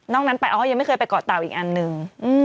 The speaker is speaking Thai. นั้นไปอ้อยยังไม่เคยไปเกาะเตาอีกอันหนึ่ง